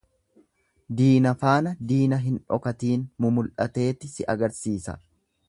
Diina faana diina hin dhokatiin, mumul'ateeti si agarsiisa.